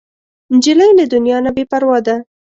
نجلۍ له دنیا نه بې پروا ده.